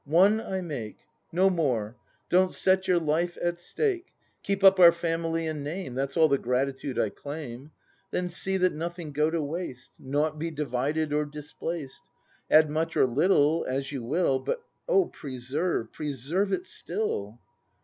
One I make, No more; don't set your life at stake. Keep up our family and name, That's all the gratitude I claim. Then see that nothing go to waste, — Naught be divided or displaced; — Add much or little, as you will; But O preserve, preserve it still!